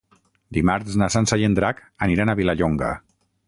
Dimarts na Sança i en Drac aniran a Vilallonga.